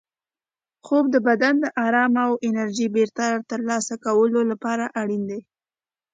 خوب د بدن د ارام او انرژۍ بېرته ترلاسه کولو لپاره اړین دی.